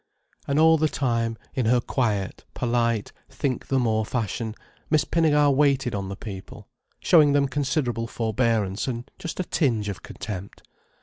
And all the time, in her quiet, polite, think the more fashion Miss Pinnegar waited on the people, showing them considerable forbearance and just a tinge of contempt.